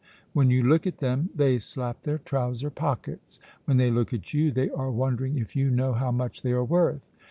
When you look at them they slap their trouser pockets. When they look at you they are wondering if you know how much they are worth.